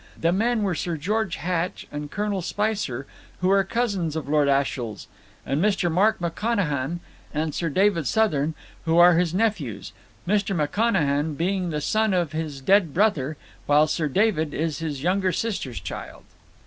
The men were Sir George Hatch and Colonel Spicer, who are cousins of Lord Ashiel's; and Mr. Mark McConachan and Sir David Southern, who are his nephews, Mr. McConachan being the son of his dead brother, while Sir David is his younger sister's child.